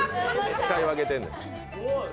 使い分けてんの。